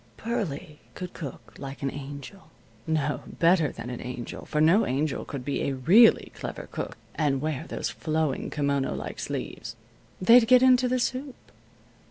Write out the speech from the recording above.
Pearlie could cook like an angel; no, better than an angel, for no angel could be a really clever cook and wear those flowing kimono like sleeves. They'd get into the soup.